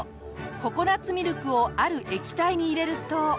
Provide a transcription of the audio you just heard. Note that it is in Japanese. ココナッツミルクをある液体に入れると。